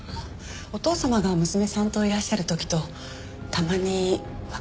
お義父様が娘さんといらっしゃる時とたまに若い男性の方が。